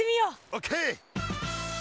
オッケー！